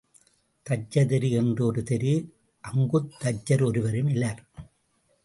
தச்சர் தெரு என்று ஒரு தெரு அங்குத் தச்சர் ஒருவரும் இலர்.